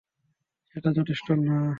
সেটা যথেষ্ট না।